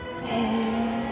へえ。